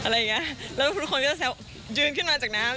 แล้วคุณคุณคนก็แซวยืนขึ้นมาจากน้ำ